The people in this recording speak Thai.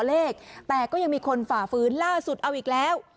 เลขแต่ก็ยังมีคนฝ่าฝืนล่าสุดเอาอีกแล้ว